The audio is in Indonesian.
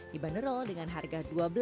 dibanderol dengan harga